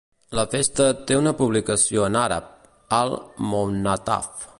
La festa té una publicació en àrab, "Al Mounataf".